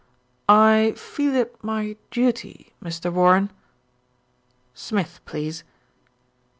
"I feel it my duty, Mr. Warren " "Smith, please."